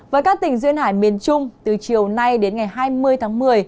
với các tỉnh duyên hải miền trung từ chiều nay đến ngày hai mươi tháng một mươi